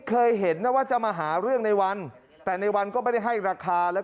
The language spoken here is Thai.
เคยเห็นนะว่าจะมาหาเรื่องในวันแต่ในวันก็ไม่ได้ให้ราคาแล้ว